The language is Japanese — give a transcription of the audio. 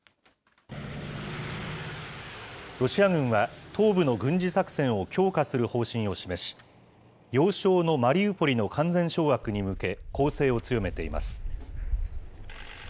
ロシア軍は、東部の軍事作戦を強化する方針を示し、要衝のマリウポリの完全掌握に向け、攻勢を強めています。